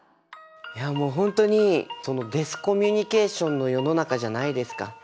いやもう本当にディスコミュニケーションの世の中じゃないですか。